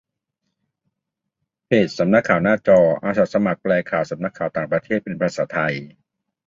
เพจ นักข่าวหน้าจอ อาสาสมัครแปลข่าวสำนักข่าวต่างประเทศเป็นภาษาไทย